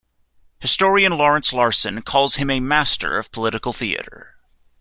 Historian Lawrence Larsen calls him "a master of "political theater.